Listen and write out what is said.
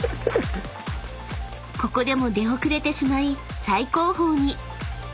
［ここでも出遅れてしまい最後方に］